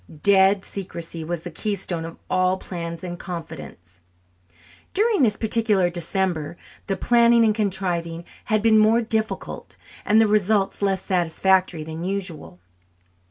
"Dead" secrecy was the keystone of all plans and confidences. During this particular December the planning and contriving had been more difficult and the results less satisfactory than usual.